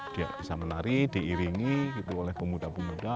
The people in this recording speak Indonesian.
dia bisa menari diiringi oleh pemuda pemuda